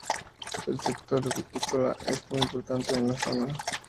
El sector vitícola es muy importante en la zona.